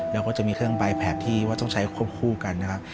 แล้วก็จะมีเครื่องใบแผกที่ว่าต้องใช้ควบคู่กันนะครับ